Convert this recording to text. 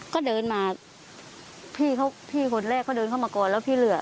ก็เดินมาพี่เขาพี่คนแรกเขาเดินเข้ามาก่อนแล้วพี่เหลือ